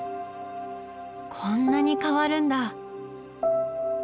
こんなに変わるんだ！